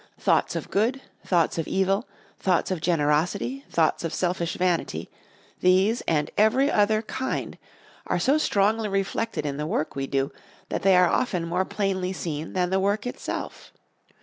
Thoughts of good, thoughts of evil, thoughts of generosity, thoughts of selfish vanity, these, and every other kind, are so strongly reflected in the work we do that they are often more plainly seen than the work itself.